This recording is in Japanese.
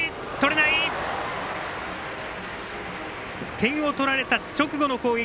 点を取られた直後の攻撃。